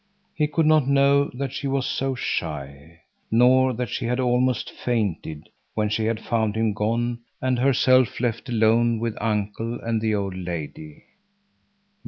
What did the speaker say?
He could not know that she was so shy, nor that she had almost fainted when she had found him gone and herself left alone with uncle and the old lady.